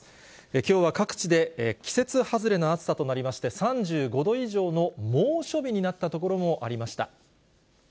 きょうは各地で季節外れの暑さとなりまして、３５度以上の猛暑日になった所もありました。